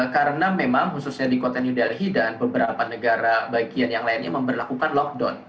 karena memang khususnya di kota new delhi dan beberapa negara bagian yang lainnya memperlakukan lockdown